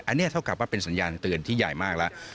อันนี้เท่ากับว่าเป็นสัญญาณเตือนที่ใหญ่มากแล้ว